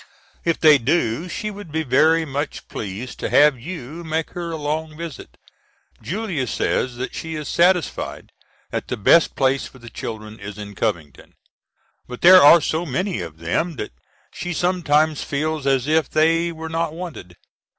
If they do she would be very much pleased to have you make her a long visit. Julia says that she is satisfied that the best place for the children is in Covington. But there are so many of them that she sometimes feels as if they were not wanted.